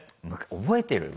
覚えてる？